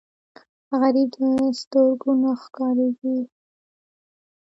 غریب د سترګو نه ښکارېږي